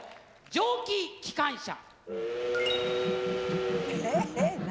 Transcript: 「蒸気機関車」。